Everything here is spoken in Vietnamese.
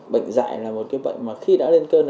bệnh dạy là một cái bệnh mà khi đã lên cơn